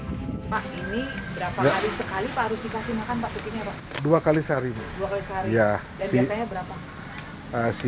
pertama kali dikasih makan berapa hari